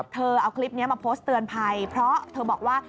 เอาคลิปนี้มาโพสต์เตือนภัยเพราะเธอบอกว่า